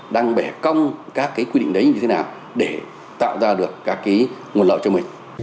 đang bẻ cong các cái quy định đấy như thế nào để tạo ra được các cái nguồn lợi cho mình